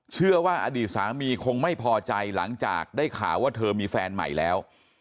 เชื่อว่าอดีตสามีคงไม่พอใจหลังจากได้ข่าวว่าเธอมีแฟนใหม่แล้ว